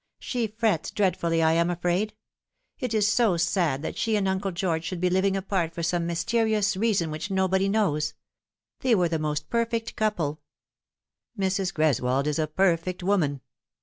She frets dreadfully, I am afraid. It is so sad that she and Uncle George should be living apart O 210 Th Fatal Three. for some mysterious reason which nobody knows. They were the most perfect couple." " Mrs. Greswold is a perfect woman."